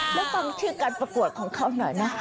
แล้วฟังชื่อการประกวดของเขาหน่อยนะ